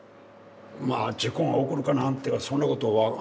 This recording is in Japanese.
まあ事故が起こるかなんてはそんなこと分かんないよ。